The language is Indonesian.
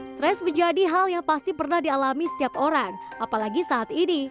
stres menjadi hal yang pasti pernah dialami setiap orang apalagi saat ini